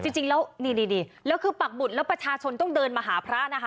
จริงแล้วนี่แล้วคือปักหมุดแล้วประชาชนต้องเดินมาหาพระนะคะ